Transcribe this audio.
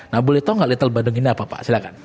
nah boleh tau gak little bandung ini apa pak silahkan